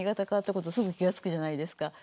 変わったことすぐ気が付くじゃないですか。